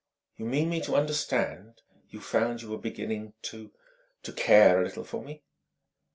"You mean me to understand, you found you were beginning to to care a little for me?"